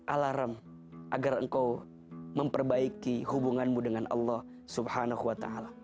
alarm agar engkau memperbaiki hubunganmu dengan allah swt